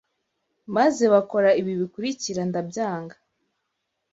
maze bakora ibi bikurikira ndabyanga